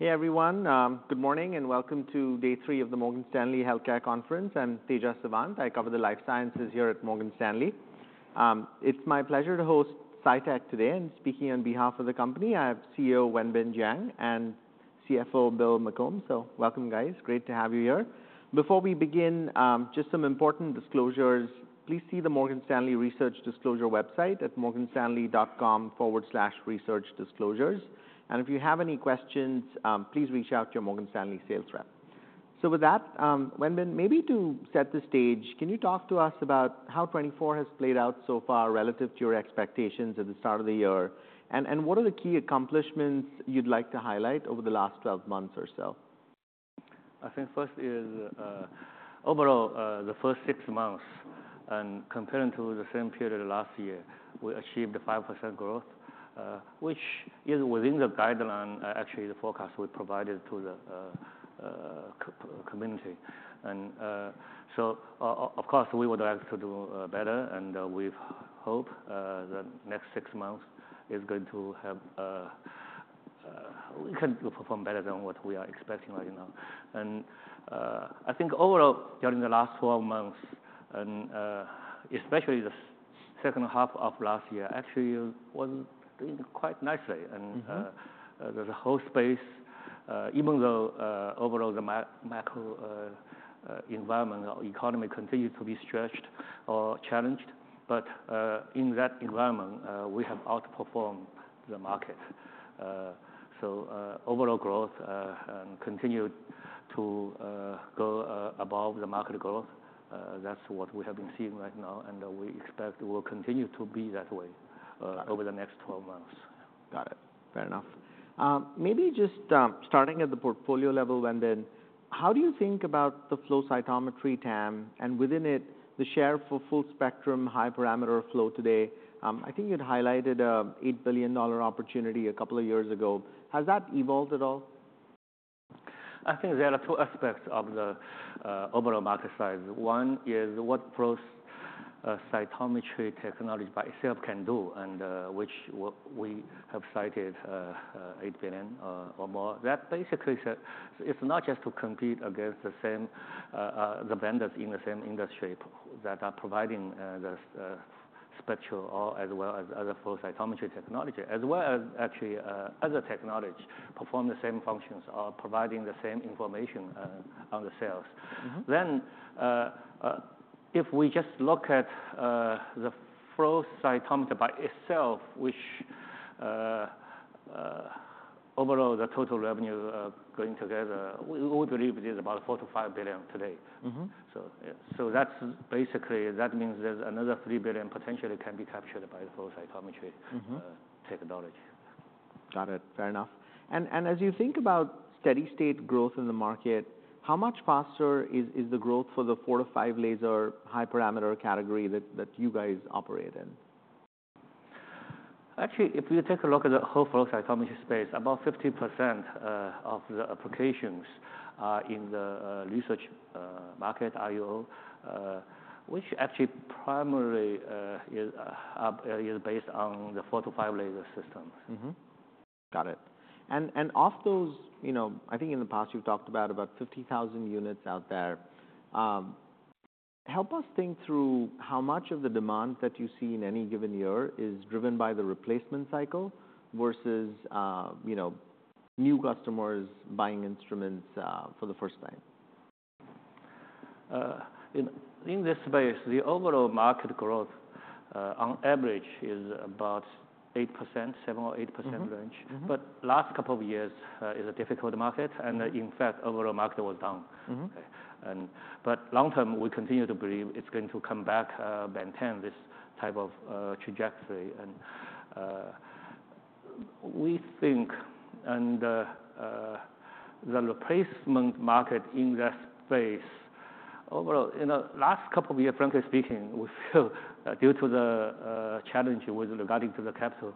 Hey, everyone. Good morning, and welcome to day three of the Morgan Stanley Healthcare Conference. I'm Tejas Savant. I cover the life sciences here at Morgan Stanley. It's my pleasure to host Cytek today, and speaking on behalf of the company, I have CEO Wenbin Jiang and CFO Bill McCombe. So welcome, guys. Great to have you here. Before we begin, just some important disclosures. Please see the Morgan Stanley Research Disclosure website at morganstanley.com/researchdisclosures. And if you have any questions, please reach out to your Morgan Stanley sales rep. So with that, Wenbin, maybe to set the stage, can you talk to us about how 2024 has played out so far relative to your expectations at the start of the year, and what are the key accomplishments you'd like to highlight over the last twelve months or so? I think first is overall the first six months and comparing to the same period last year, we achieved 5% growth, which is within the guideline, actually the forecast we provided to the Cytek community. So of course, we would like to do better, and we hope the next six months is going to have... We can perform better than what we are expecting right now. I think overall, during the last 12 months and especially the second half of last year, actually was doing quite nicely. Mm-hmm. And, the whole space, even though overall the macro environment or economy continues to be stretched or challenged, but in that environment, we have outperformed the market. So, overall growth and continued to go above the market growth, that's what we have been seeing right now, and we expect will continue to be that way. Got it... over the next 12 months. Got it. Fair enough. Maybe just starting at the portfolio level, Wenbin, how do you think about the flow cytometry TAM, and within it, the share for full spectrum, high parameter flow today? I think you'd highlighted an $8 billion opportunity a couple of years ago. Has that evolved at all? I think there are two aspects of the overall market size. One is what flow cytometry technology by itself can do, and which we have cited $8 billion or more. That basically said it's not just to compete against the same the vendors in the same industry that are providing the spectral or as well as other flow cytometry technology, as well as actually other technology perform the same functions or providing the same information on the cells. Mm-hmm. If we just look at the flow cytometer by itself, which overall the total revenue going together, we would believe it is about $4 billion-$5 billion today. Mm-hmm. Yeah. That's basically that means there's another $3 billion potentially can be captured by flow cytometry. Mm-hmm... technology. Got it. Fair enough, and as you think about steady state growth in the market, how much faster is the growth for the four to five laser high parameter category that you guys operate in? Actually, if you take a look at the whole flow cytometry space, about 50% of the applications are in the research market, RUO, which actually primarily is based on the four to five laser systems. Mm-hmm. Got it. And of those, you know, I think in the past you've talked about about 50,000 units out there. Help us think through how much of the demand that you see in any given year is driven by the replacement cycle versus, you know, new customers buying instruments for the first time. In this space, the overall market growth on average is about 8%, 7% or 8% range. Mm-hmm, mm-hmm. But last couple of years is a difficult market, and in fact, overall market was down. Mm-hmm. Long term, we continue to believe it's going to come back, maintain this type of trajectory. We think the replacement market in that space, overall. In the last couple of years, frankly speaking, we feel due to the challenge with regard to the capital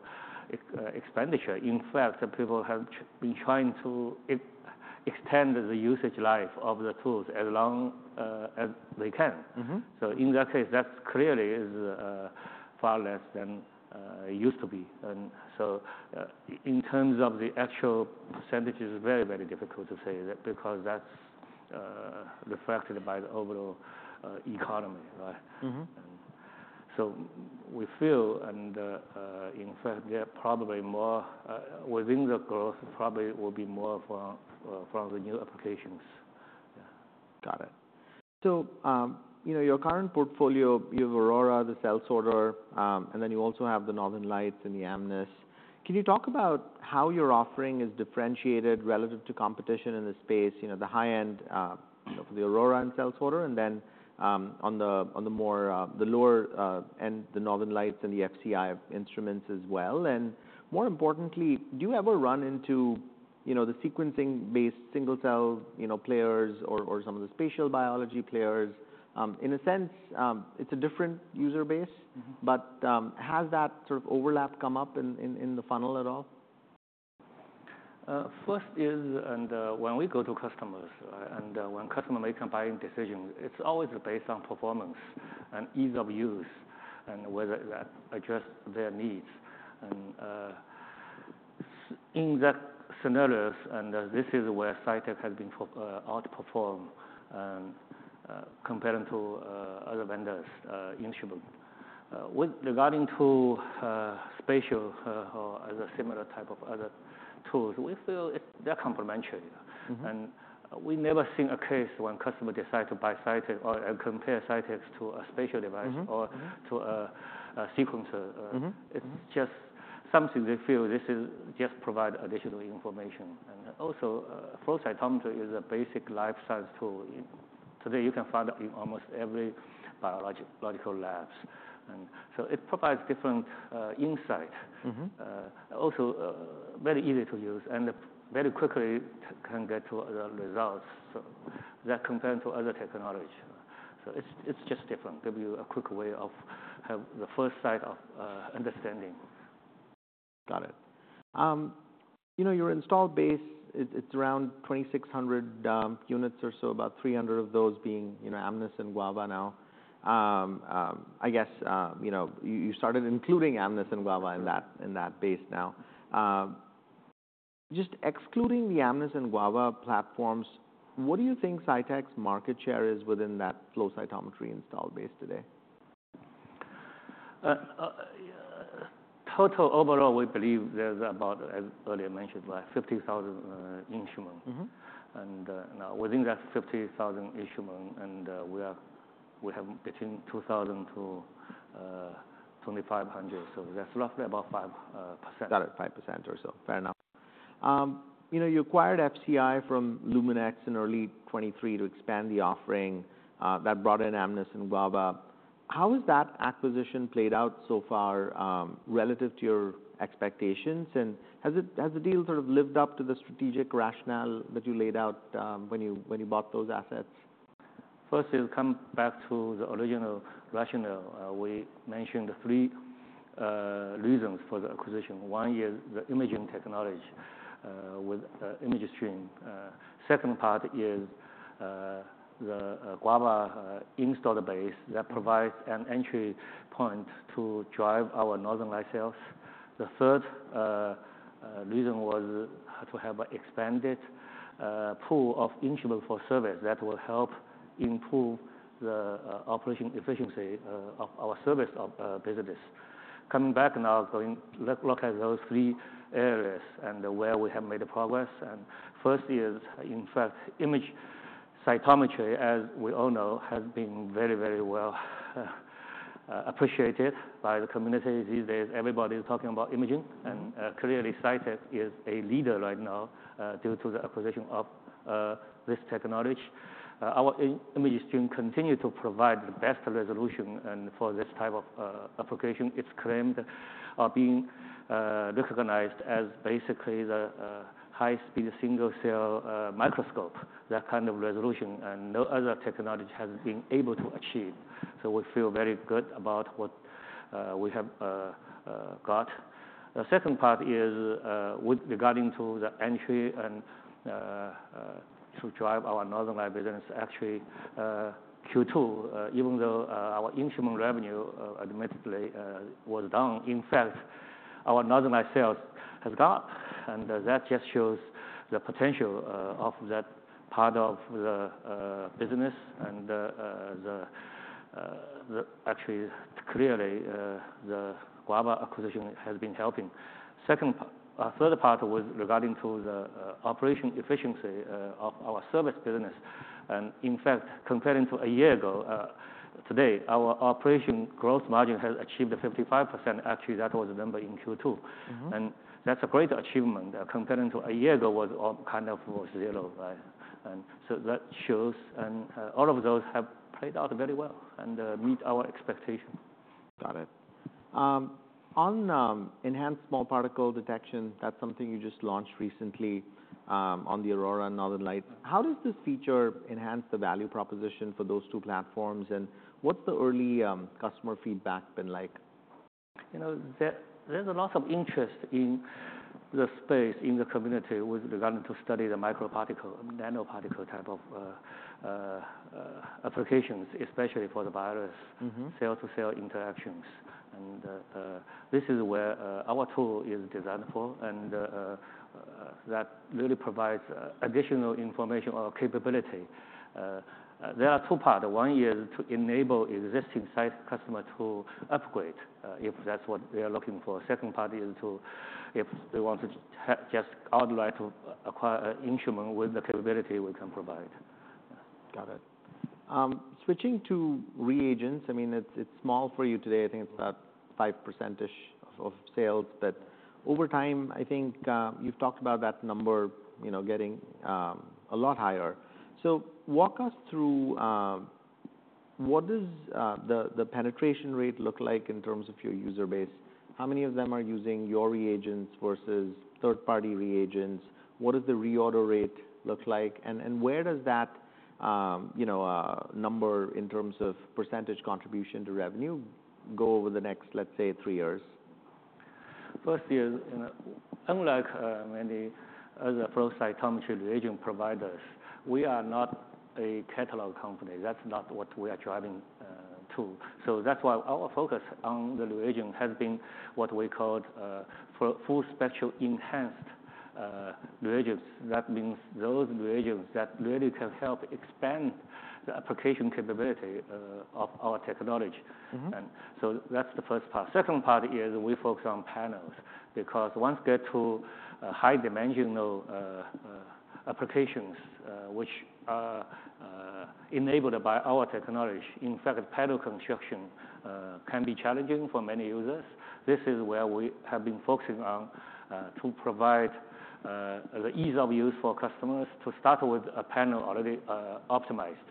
expenditure, in fact, people have been trying to extend the usage life of the tools as long as they can. Mm-hmm. So in that case, that clearly is far less than it used to be. And so, in terms of the actual percentage, is very, very difficult to say, because that's reflected by the overall economy, right? Mm-hmm. We feel, and in fact, there are probably more within the growth, probably will be more from the new applications. Got it. So, you know, your current portfolio, you have Aurora, the Cell Sorter, and then you also have the Northern Lights and the Amnis. Can you talk about how your offering is differentiated relative to competition in the space? You know, the high end, you know, for the Aurora and Cell Sorter, and then, on the more, the lower end, the Northern Lights and the FCI instruments as well. And more importantly, do you ever run into, you know, the sequencing-based single cell, you know, players or some of the spatial biology players? In a sense, it's a different user base- Mm-hmm... but, has that sort of overlap come up in the funnel at all? First is, and when we go to customers, and when customer makes a buying decision, it's always based on performance and ease of use... and whether that address their needs. In that scenarios, and this is where Cytek has been for, outperform, and comparing to other vendors' instrument. With regarding to spatial, or as a similar type of other tools, we feel it's-- they're complementary. Mm-hmm. We never seen a case when customer decide to buy Cytek and compare Cytek to a spatial device. Mm-hmm, mm-hmm. or to a sequencer. Mm-hmm, mm-hmm. It's just something we feel this is just provide additional information. And also, flow cytometry is a basic life science tool. Today, you can find it in almost every biological lab, and so it provides different insight. Mm-hmm. Also, very easy to use and very quickly can get to the results, so that compared to other technology. So it's, it's just different, give you a quick way of have the first sight of understanding. Got it. You know, your installed base, it's around 2,600 units or so, about 300 of those being, you know, Amnis and Guava now. I guess, you know, you started including Amnis and Guava- Mm-hmm in that, in that base now. Just excluding the Amnis and Guava platforms, what do you think Cytek's market share is within that flow cytometry installed base today? Total overall, we believe there's about, as earlier mentioned, like 50,000 instrument. Mm-hmm. Now within that 50,000 instrument, we have between 2,000-2,500. So that's roughly about 5%. Got it, 5% or so. Fair enough. You know, you acquired FCI from Luminex in early 2023 to expand the offering. That brought in Amnis and Guava. How has that acquisition played out so far, relative to your expectations? And has it, has the deal sort of lived up to the strategic rationale that you laid out, when you, when you bought those assets? First, it'll come back to the original rationale. We mentioned the three reasons for the acquisition. One is the imaging technology with ImageStream. Second part is the Guava installed base that provides an entry point to drive our Northern Lights cells. The third reason was to have an expanded pool of instrument for service that will help improve the operation efficiency of our service business. Coming back now, going, let's look at those three areas and where we have made progress, and first is, in fact, imaging cytometry, as we all know, has been very, very well appreciated by the community. These days, everybody is talking about imaging- Mm-hmm. And, clearly, Cytek is a leader right now, due to the acquisition of this technology. Our ImageStream continues to provide the best resolution, and for this type of application, it's claimed of being recognized as basically the high-speed single cell microscope, that kind of resolution, and no other technology has been able to achieve. So we feel very good about what we have got. The second part is, with regard to the entry and to drive our Northern Lights business. Actually, Q2, even though our instrument revenue, admittedly, was down, in fact, our Northern Lights sales has grown, and that just shows the potential of that part of the business. Actually, clearly, the Guava acquisition has been helping. Second part, third part was regarding to the operation efficiency of our service business, and in fact, comparing to a year ago, today, our operation growth margin has achieved a 55%. Actually, that was the number in Q2. Mm-hmm. And that's a great achievement. Comparing to a year ago was all kind of zero, right? And so that shows... And all of those have played out very well and meet our expectations. Got it. On enhanced small particle detection, that's something you just launched recently on the Aurora and Northern Lights. How does this feature enhance the value proposition for those two platforms, and what's the early customer feedback been like? You know, there's a lot of interest in the space, in the community with regard to studying the microparticle, nanoparticle type of applications, especially for the virus- Mm-hmm... cell-to-cell interactions. This is where our tool is designed for, and that really provides additional information or capability. There are two part. One is to enable existing Cytek customer to upgrade, if that's what they are looking for. Second part is to, if they want to just outright to acquire an instrument with the capability we can provide. Got it. Switching to reagents, I mean, it's small for you today. Mm-hmm. I think it's about 5%-ish of sales, but over time, I think you've talked about that number, you know, getting a lot higher. So walk us through what does the penetration rate look like in terms of your user base? How many of them are using your reagents versus third-party reagents? What does the reorder rate look like? And where does that, you know, number in terms of percentage contribution to revenue go over the next, let's say, three years? ...first year, you know, unlike many other flow cytometry reagent providers, we are not a catalog company. That's not what we are driving to. So that's why our focus on the reagent has been what we called for full spectrum enhanced reagents. That means those reagents that really can help expand the application capability of our technology. Mm-hmm. That's the first part. Second part is we focus on panels, because once get to a high dimensional applications, which are enabled by our technology. In fact, panel construction can be challenging for many users. This is where we have been focusing on to provide the ease of use for customers to start with a panel already optimized.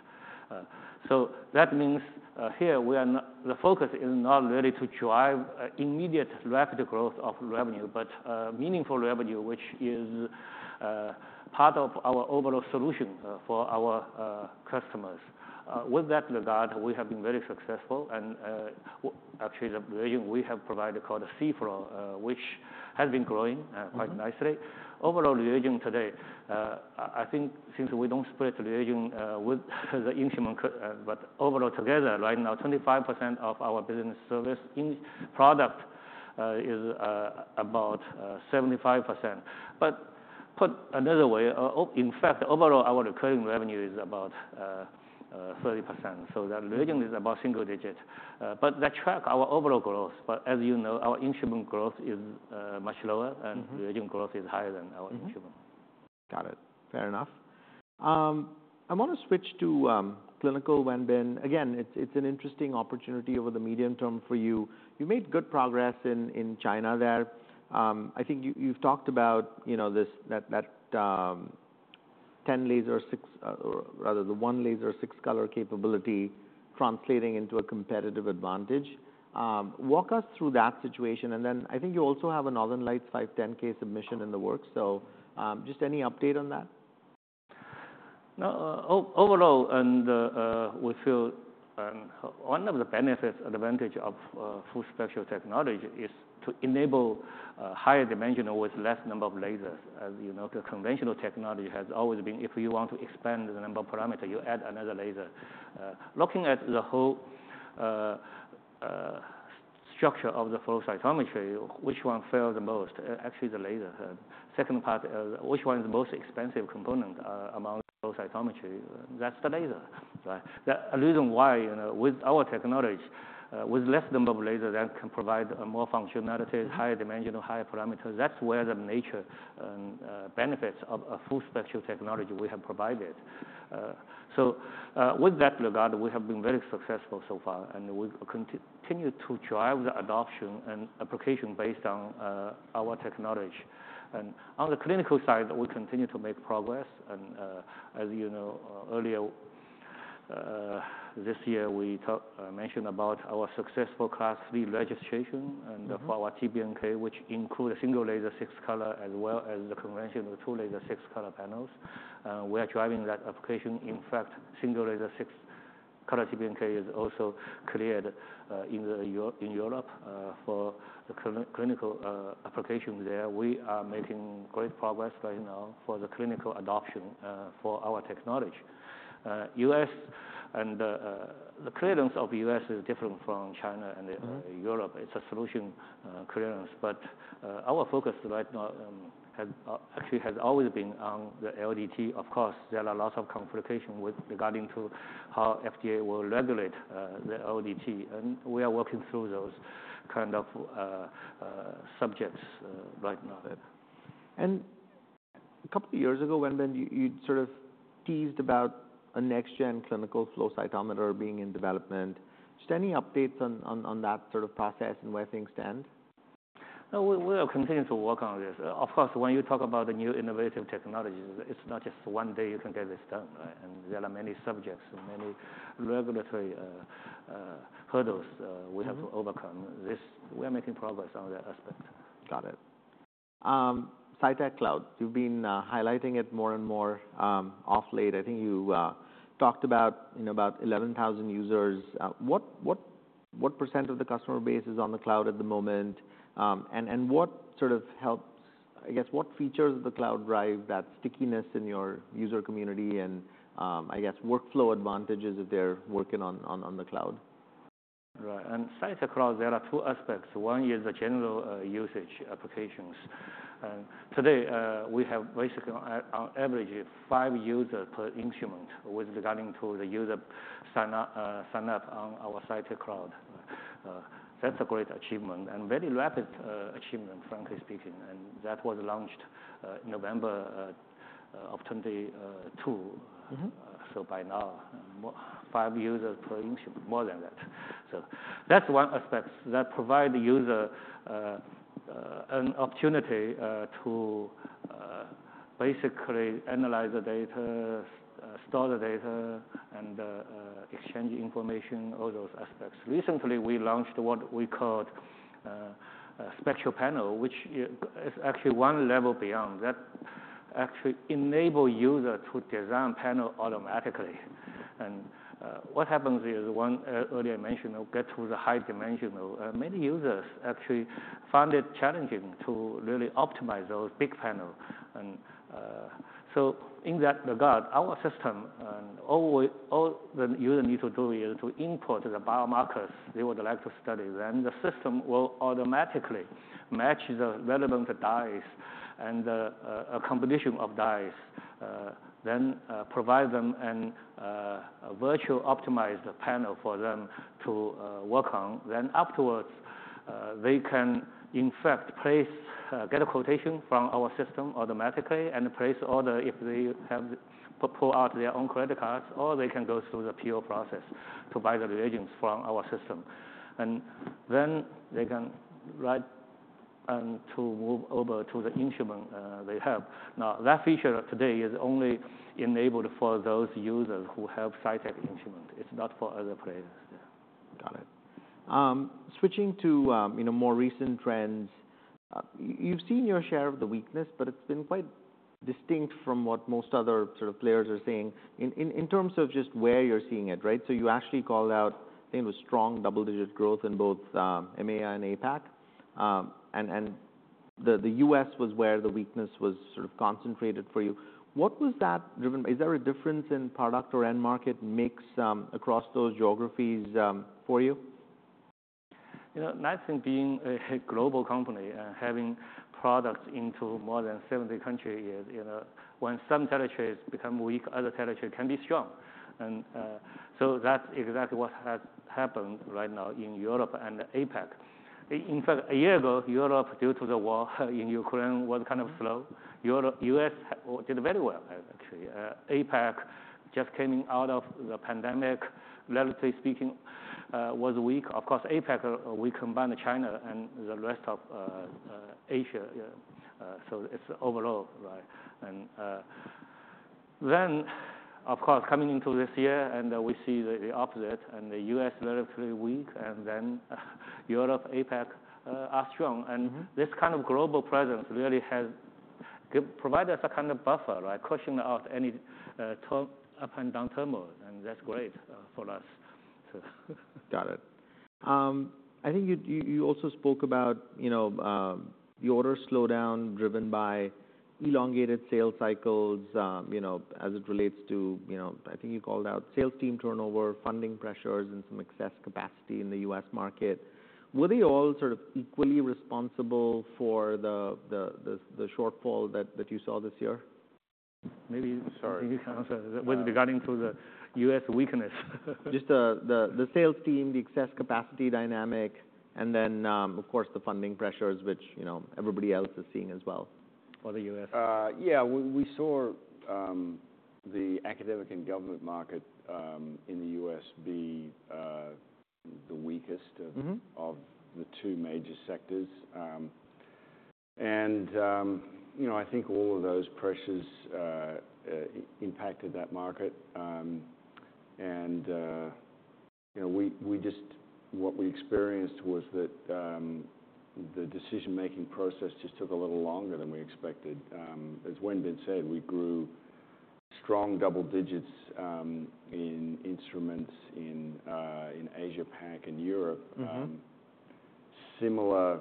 That means the focus is not really to drive immediate rapid growth of revenue, but meaningful revenue, which is part of our overall solution for our customers. With that regard, we have been very successful, and actually, the reagent we have provided called cFluor, which has been growing quite nicely. Mm-hmm. Overall, reagent today, I think since we don't split reagent with the instrument, but overall together, right now, 25% of our business, services and product is about 75%. But put another way, in fact, overall, our recurring revenue is about 30%, so the reagent is about single digit. But that tracks our overall growth, but as you know, our instrument growth is much lower- Mm-hmm... and reagent growth is higher than our instrument. Mm-hmm. Got it. Fair enough. I wanna switch to clinical, Wenbin. Again, it's an interesting opportunity over the medium term for you. You made good progress in China there. I think you, you've talked about, you know, this, that, that, ten laser, six, or rather the 1-laser, 6-color capability translating into a competitive advantage. Walk us through that situation, and then I think you also have a Northern Lights 510(k) submission in the works. So, just any update on that? No, overall, and we feel one of the benefits advantage of full spectral technology is to enable higher dimensional with less number of lasers. As you know, the conventional technology has always been if you want to expand the number of parameter, you add another laser. Looking at the whole structure of the flow cytometry, which one fail the most? Actually, the laser. Second part, which one is the most expensive component among flow cytometry? That's the laser, right? The reason why, you know, with our technology, with less number of laser, that can provide a more functionalities, higher dimensional, higher parameters. That's where the nature and benefits of a full spectral technology we have provided. So, with that regard, we have been very successful so far, and we continue to drive the adoption and application based on our technology. And on the clinical side, we continue to make progress, and, as you know, earlier this year, we mentioned about our successful Class III registration. Mm-hmm... and for our TBNK, which include a single laser, 6-color, as well as the conventional 2-laser, 6-color panels. We are driving that application. In fact, single laser, 6-color TBNK is also cleared in Europe for the clinical application there. We are making great progress right now for the clinical adoption for our technology. U.S. and the clearance of U.S. is different from China and- Mm-hmm... Europe. It's a solution clearance, but our focus right now has actually always been on the LDT. Of course, there are lots of complication with regarding to how FDA will regulate the LDT, and we are working through those kind of subjects right now. A couple of years ago, Wenbin, you sort of teased about a next-gen clinical flow cytometer being in development. Just any updates on that sort of process and where things stand? No, we are continuing to work on this. Of course, when you talk about the new innovative technologies, it's not just one day you can get this done, right? And there are many subjects and many regulatory hurdles. Mm-hmm... we have to overcome. This, we are making progress on that aspect. Got it. Cytek Cloud, you've been highlighting it more and more off late. I think you talked about, you know, about 11,000 users. What percentage of the customer base is on the cloud at the moment? And what sort of helps. I guess, what features of the cloud drive that stickiness in your user community and, I guess, workflow advantages if they're working on the cloud? Right. On Cytek Cloud, there are two aspects. One is the general usage applications, and today we have basically on average five users per instrument with regarding to the user sign up on our Cytek Cloud. That's a great achievement, and very rapid achievement, frankly speaking, and that was launched November of 2022. Mm-hmm. By now, five users per instrument, more than that. So that's one aspect that provide the user an opportunity to basically analyze the data, store the data, and exchange information, all those aspects. Recently, we launched what we called Spectral Panel, which is actually one level beyond that actually enable user to design panel automatically. What happens is, one, earlier I mentioned, get to the high dimensional, many users actually find it challenging to really optimize those big panel. And, so in that regard, our system and all the user need to do is to input the biomarkers they would like to study, then the system will automatically match the relevant dyes and a combination of dyes, then provide them a virtual optimized panel for them to work on. Then afterwards, they can in fact get a quotation from our system automatically and place order if they have to pull out their own credit cards, or they can go through the PO process to buy the reagents from our system. And then they can write to move over to the instrument they have. Now, that feature today is only enabled for those users who have Cytek instrument. It's not for other players. Yeah. Got it. Switching to, you know, more recent trends, you've seen your share of the weakness, but it's been quite distinct from what most other sort of players are seeing in terms of just where you're seeing it, right? So you actually called out, I think, it was strong double-digit growth in both EMEA and APAC. And the U.S. was where the weakness was sort of concentrated for you. What was that driven by? Is there a difference in product or end market mix across those geographies for you? You know, the nice thing being a global company and having products into more than seventy countries is, you know, when some territories become weak, other territory can be strong. And so that's exactly what has happened right now in Europe and APAC. In fact, a year ago, Europe, due to the war in Ukraine, was kind of slow. Europe. U.S. did very well, actually. APAC, just coming out of the pandemic, relatively speaking, was weak. Of course, APAC, we combine the China and the rest of Asia. So it's overall, right. And then, of course, coming into this year and we see the opposite, and the U.S. relatively weak, and then, Europe, APAC are strong. Mm-hmm. This kind of global presence really has provided us a kind of buffer, right, cushioning out any turn up and down turmoil, and that's great for us. So, Got it. I think you also spoke about, you know, the order slowdown driven by elongated sales cycles, you know, as it relates to, you know, I think you called out sales team turnover, funding pressures, and some excess capacity in the U.S. market. Were they all sort of equally responsible for the shortfall that you saw this year? Maybe. Sorry, you can answer with regard to the U.S. weakness. Just the sales team, the excess capacity dynamic, and then, of course, the funding pressures, which, you know, everybody else is seeing as well. For the U.S. Yeah, we saw the academic and government market in the U.S. be the weakest of- Mm-hmm... of the two major sectors. You know, I think all of those pressures impacted that market. You know, we just-- what we experienced was that, the decision-making process just took a little longer than we expected. As Wenbin said, we grew strong double digits in instruments in Asia-Pac and Europe. Mm-hmm. Similar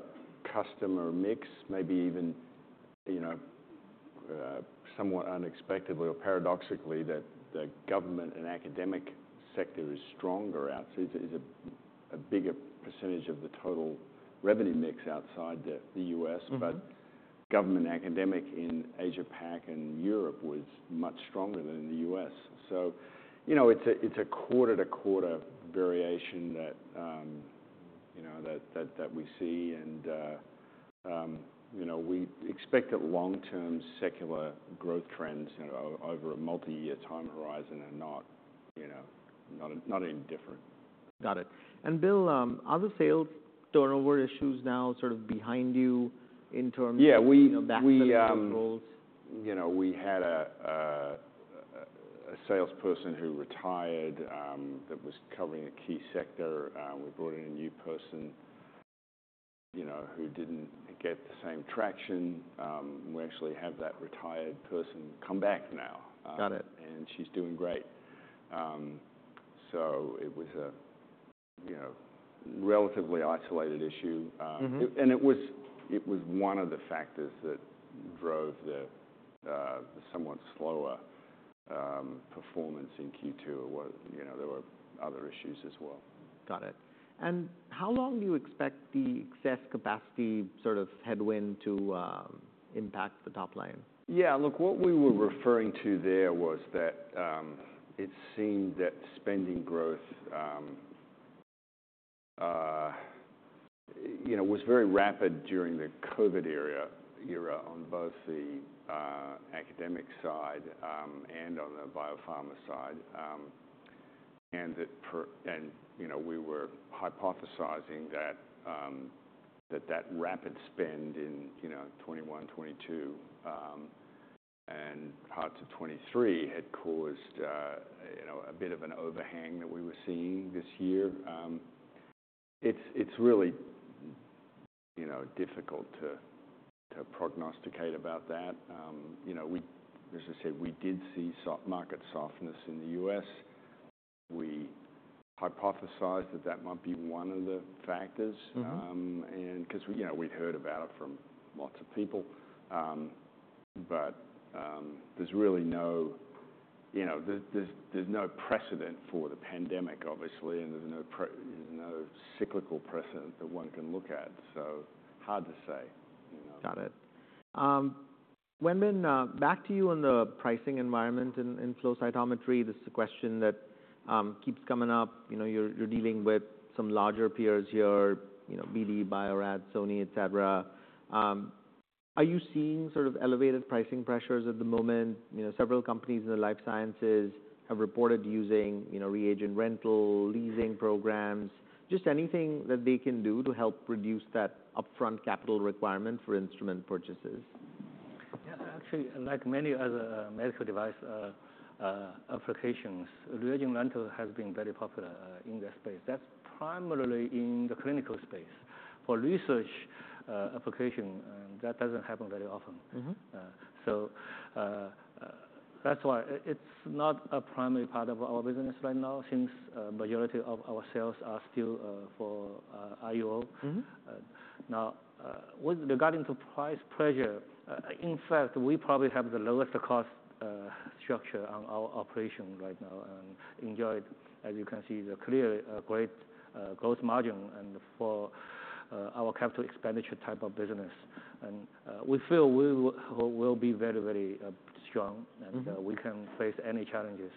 customer mix, maybe even, you know, somewhat unexpectedly or paradoxically, that the government and academic sector is stronger out, is a bigger percentage of the total revenue mix outside the U.S. Mm-hmm. But government and academic in Asia-Pac and Europe was much stronger than in the U.S. So you know, it's a quarter-to-quarter variation that you know we see. And you know, we expect that long-term secular growth trends over a multi-year time horizon are not you know not any different. Got it. And Bill, are the sales turnover issues now sort of behind you in terms of? Yeah, we- You know, backfilling those roles?... you know, we had a salesperson who retired that was covering a key sector. We brought in a new person, you know, who didn't get the same traction. We actually have that retired person come back now. Got it. And she's doing great. So it was a, you know, relatively isolated issue. Mm-hmm... and it was one of the factors that drove the somewhat slower performance in Q2. It was, you know, there were other issues as well. Got it. And how long do you expect the excess capacity sort of headwind to impact the top line? Yeah, look, what we were referring to there was that, it seemed that spending growth, you know, was very rapid during the COVID era on both the academic side and on the biopharma side. And, you know, we were hypothesizing that that rapid spend in, you know, 2021, 2022 and parts of 2023 had caused, you know, a bit of an overhang that we were seeing this year. It's, you know, difficult to prognosticate about that. You know, we, as I said, we did see market softness in the U.S. We hypothesized that that might be one of the factors. Mm-hmm. And 'cause, you know, we'd heard about it from lots of people. But there's really no, you know, there's no precedent for the pandemic, obviously, and there's no cyclical precedent that one can look at, so hard to say, you know? Got it. Wenbin, back to you on the pricing environment in flow cytometry. This is a question that keeps coming up. You know, you're dealing with some larger peers here, you know, BD, Bio-Rad, Sony, et cetera. Are you seeing sort of elevated pricing pressures at the moment? You know, several companies in the life sciences have reported using, you know, reagent rental, leasing programs, just anything that they can do to help reduce that upfront capital requirement for instrument purchases. Yeah, actually, like many other medical device applications, reagent rental has been very popular in that space. That's primarily in the clinical space. For research application, that doesn't happen very often. Mm-hmm. So, that's why it's not a primary part of our business right now, since a majority of our sales are still for RUO. Mm-hmm. Now, with regard to price pressure, in fact, we probably have the lowest cost structure on our operation right now and enjoy, as you can see, the clear great gross margin and for our capital expenditure type of business. We feel we will be very, very strong. Mm-hmm... and we can face any challenges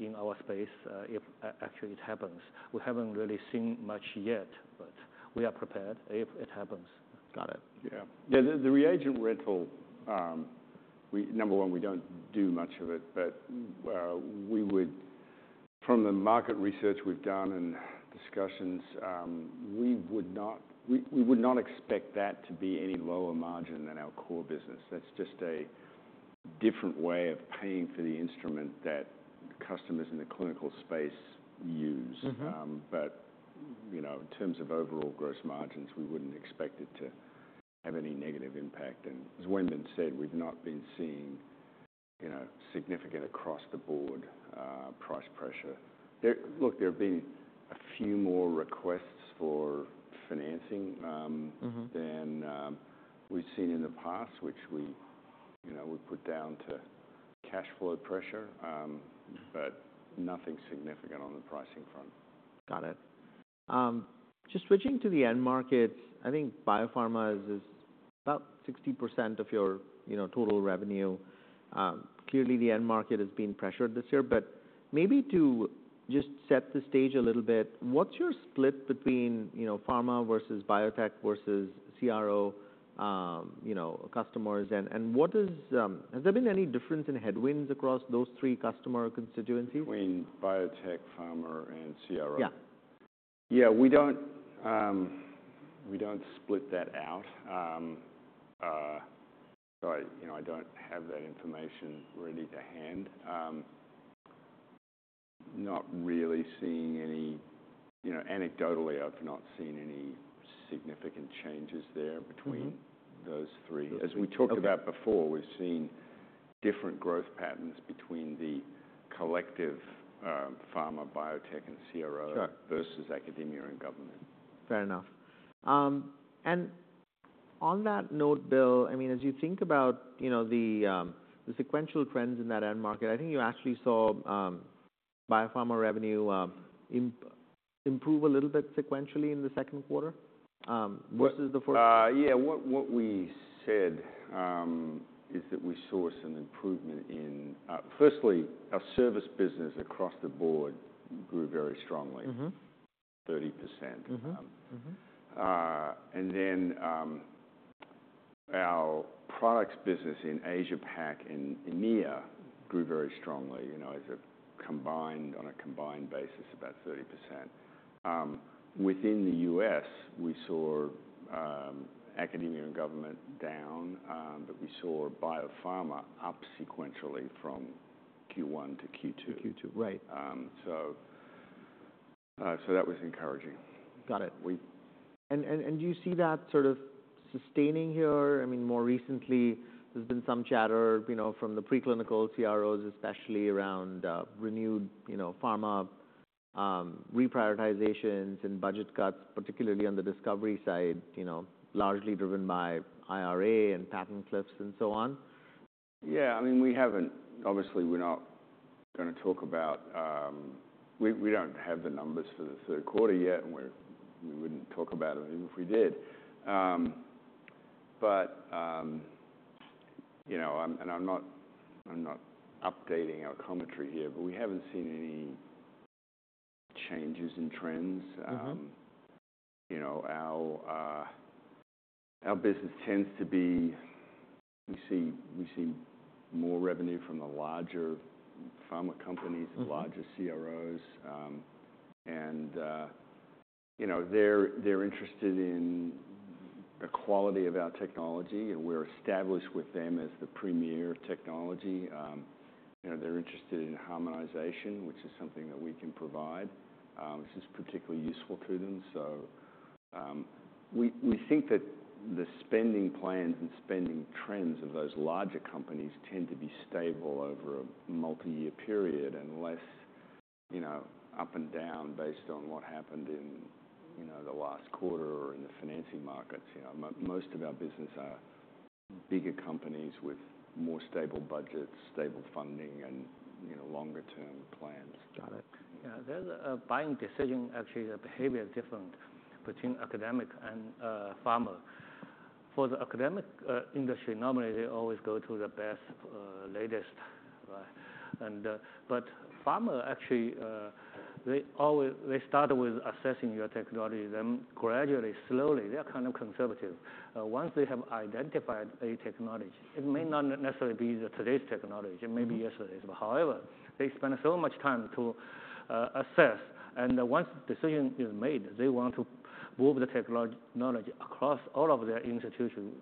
in our space if actually it happens. We haven't really seen much yet, but we are prepared if it happens. Got it. Yeah. Yeah, the reagent rental. Number one, we don't do much of it, but we would. From the market research we've done and discussions, we would not expect that to be any lower margin than our core business. That's just a different way of paying for the instrument that customers in the clinical space use. Mm-hmm. But, you know, in terms of overall gross margins, we wouldn't expect it to have any negative impact. And as Wenbin said, we've not been seeing, you know, significant across-the-board price pressure. There have been a few more requests for financing. Mm-hmm... than we've seen in the past, which we, you know, we put down to cash flow pressure, but nothing significant on the pricing front. Got it. Just switching to the end markets, I think biopharma is about 60% of your, you know, total revenue. Clearly, the end market has been pressured this year, but maybe to just set the stage a little bit, what's your split between, you know, pharma versus biotech versus CRO, you know, customers? And what is... Has there been any difference in headwinds across those three customer constituencies? Between biotech, pharma, and CRO? Yeah. Yeah, we don't, we don't split that out. So I, you know, I don't have that information ready to hand. Not really seeing any... You know, anecdotally, I've not seen any significant changes there between- Mm-hmm… those three. Okay. As we talked about before, we've seen different growth patterns between the collective, pharma, biotech, and CRO- Sure... versus academia and government. Fair enough, and on that note, Bill, I mean, as you think about, you know, the sequential trends in that end market, I think you actually saw biopharma revenue improve a little bit sequentially in the second quarter versus the first? Yeah. What we said is that we saw some improvement in, firstly, our service business across the board grew very strongly- Mm-hmm... 30%. Mm-hmm. Mm-hmm. And then, our products business in Asia-Pac and EMEA grew very strongly, you know, as a combined, on a combined basis, about 30%. Within the U.S., we saw academia and government down, but we saw biopharma up sequentially from Q1 to Q2. To Q2, right. So that was encouraging. Got it. We- Do you see that sort of sustaining here? I mean, more recently, there's been some chatter, you know, from the preclinical CROs, especially around renewed, you know, pharma reprioritizations and budget cuts, particularly on the discovery side, you know, largely driven by IRA and patent cliffs and so on. Yeah, I mean, we haven't. Obviously, we're not gonna talk about. We don't have the numbers for the third quarter yet, and we wouldn't talk about them even if we did. But you know, I'm not updating our commentary here, but we haven't seen any changes in trends. Mm-hmm. You know, our business tends to be. We see more revenue from the larger pharma companies- Mm-hmm... the larger CROs. You know, they're interested in the quality of our technology, and we're established with them as the premier technology. You know, they're interested in harmonization, which is something that we can provide, which is particularly useful to them, so we think that the spending plans and spending trends of those larger companies tend to be stable over a multi-year period, and less, you know, up and down, based on what happened in, you know, the last quarter or in the financing markets. You know, most of our business are bigger companies with more stable budgets, stable funding, and, you know, longer term plans. Got it. Yeah, there's a buying decision. Actually, the behavior is different between academic and pharma. For the academic industry, normally, they always go to the best latest, right? And but pharma actually, they always they start with assessing your technology, then gradually, slowly, they are kind of conservative. Once they have identified a technology, it may not necessarily be the today's technology, it may be yesterday's. But however, they spend so much time to assess, and once decision is made, they want to move the technology across all of their institutions.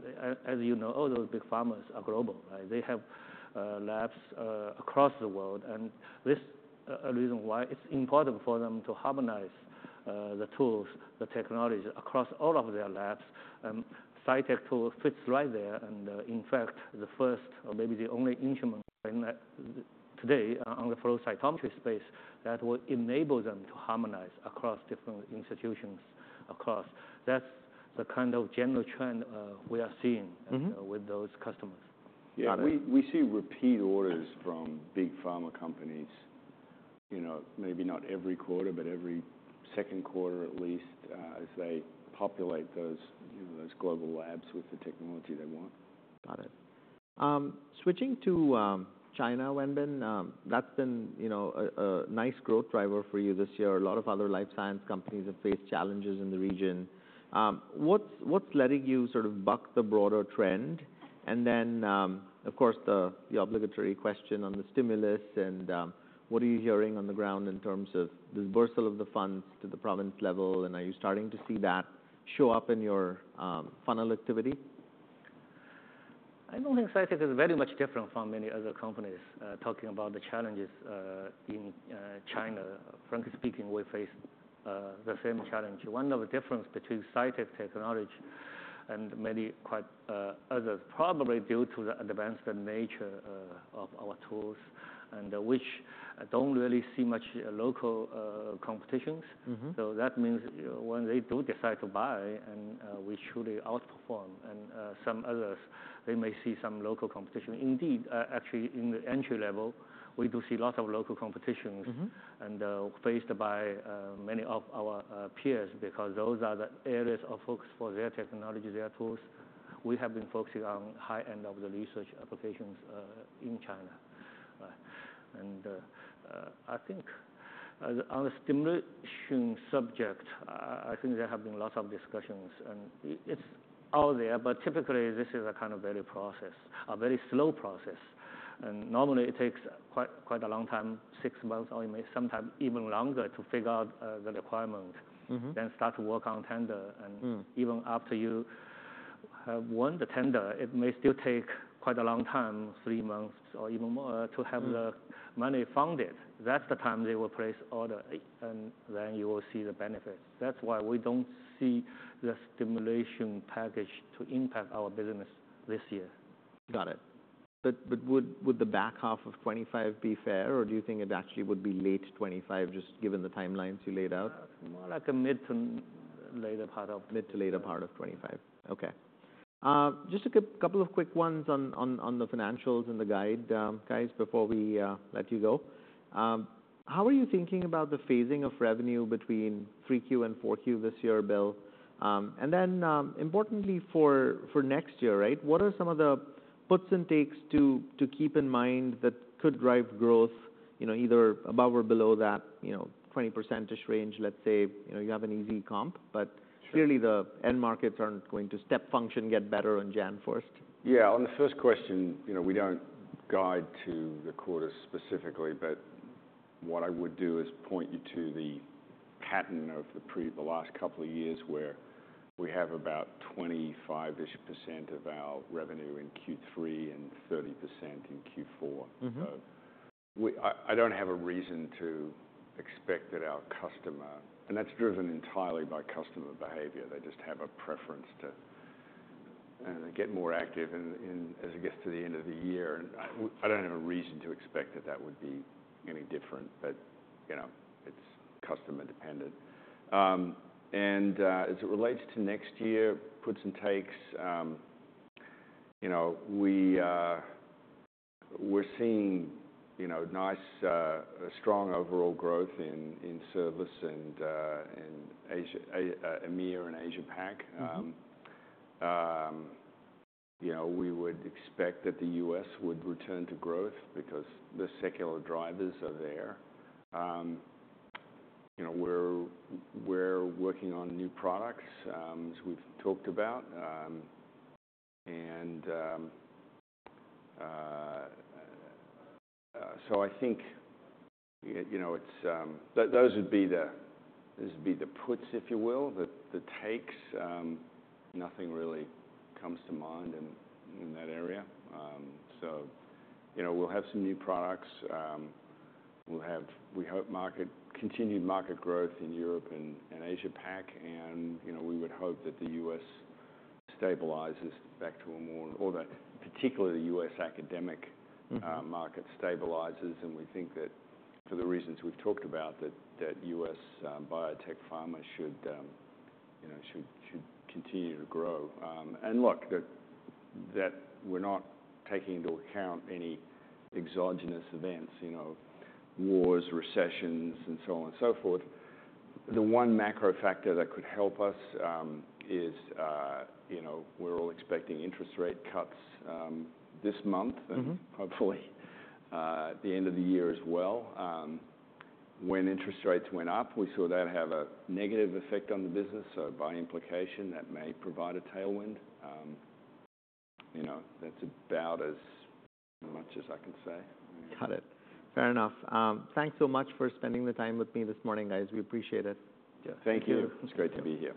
As you know, all those big pharmas are global, right? They have labs across the world. And this a reason why it's important for them to harmonize the tools, the technology, across all of their labs. And Cytek tool fits right there. In fact, the first or maybe the only instrument in that today on the flow cytometry space, that will enable them to harmonize across different institutions. That's the kind of general trend we are seeing. Mm-hmm... with those customers. Yeah, we see repeat orders from big pharma companies, you know, maybe not every quarter, but every second quarter at least, as they populate those, you know, those global labs with the technology they want. Got it. Switching to China, Wenbin, that's been, you know, a nice growth driver for you this year. A lot of other life science companies have faced challenges in the region. What's letting you sort of buck the broader trend? And then, of course, the obligatory question on the stimulus, and what are you hearing on the ground in terms of disbursement of the funds to the province level? And are you starting to see that show up in your funnel activity? I don't think Cytek is very much different from many other companies, talking about the challenges, in China. Frankly speaking, we face the same challenge. One of the difference between Cytek technology and many quite others, probably due to the advanced nature, of our tools and which I don't really see much local competitions. Mm-hmm. So that means, when they do decide to buy, and we truly outperform. And some others, they may see some local competition. Indeed, actually, in the entry level, we do see lots of local competitions. Mm-hmm... And faced by many of our peers, because those are the areas of focus for their technology, their tools. We have been focusing on high end of the research applications in China. And I think on the stimulation subject, I think there have been lots of discussions, and it, it's all there. But typically, this is a kind of a very slow process, and normally it takes quite a long time, six months, or may sometime even longer, to figure out the requirement- Mm-hmm... then start to work on tender. Mm. Even after you have won the tender, it may still take quite a long time, three months or even more, to have- Mm... the money funded. That's the time they will place order, and then you will see the benefits. That's why we don't see the stimulus package to impact our business this year. Got it. But would the back half of 2025 be fair, or do you think it actually would be late 2025, just given the timelines you laid out? More like a mid to later part of 2025. Okay. Just a couple of quick ones on the financials and the guide, guys, before we let you go. How are you thinking about the phasing of revenue between 3Q and 4Q this year, Bill? And then, importantly for next year, right, what are some of the puts and takes to keep in mind that could drive growth, you know, either above or below that, you know, 20% range? Let's say, you know, you have an easy comp, but- Sure... clearly the end markets aren't going to step function, get better on January first. Yeah, on the first question, you know, we don't guide to the quarter specifically, but what I would do is point you to the pattern of the last couple of years, where we have about 25%-ish of our revenue in Q3 and 30% in Q4. Mm-hmm. I don't have a reason to expect that our customer... And that's driven entirely by customer behavior. They just have a preference to get more active in as it gets to the end of the year. And I don't have a reason to expect that that would be any different. But, you know, it's customer dependent. And as it relates to next year, puts and takes, you know, we're seeing, you know, nice strong overall growth in services and in Asia, EMEA and Asia-Pac. Mm-hmm. You know, we would expect that the U.S. would return to growth because the secular drivers are there. You know, we're working on new products, as we've talked about. So I think, you know, it's those would be the puts, if you will. The takes, nothing really comes to mind in that area. So, you know, we'll have some new products. We'll have continued market growth in Europe and Asia-Pac, and, you know, we would hope that the U.S. stabilizes back to a more... Or that, particularly the U.S. academic- Mm-hmm... market stabilizes, and we think that, for the reasons we've talked about, that U.S. biotech pharma should, you know, continue to grow, and look, that we're not taking into account any exogenous events, you know, wars, recessions, and so on and so forth. The one macro factor that could help us is, you know, we're all expecting interest rate cuts this month... Mm-hmm... and hopefully, at the end of the year as well. When interest rates went up, we saw that have a negative effect on the business, so by implication, that may provide a tailwind. You know, that's about as much as I can say. Got it. Fair enough. Thanks so much for spending the time with me this morning, guys. We appreciate it. Yeah. Thank you. It's great to be here.